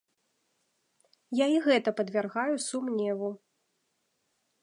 Я і гэта падвяргаю сумневу.